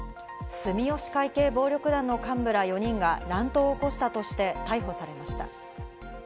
住吉会系暴力団の幹部ら４人が乱闘を起こしたとして、逮捕されました。